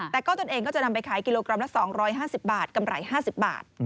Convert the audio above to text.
แต่ก็ตนเองก็จะนำไปขายกิโลกรัมละ๒๕๐บาทกำไร๕๐บาท